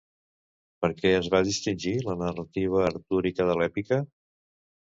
Per què es va distingir la narrativa artúrica de l'èpica?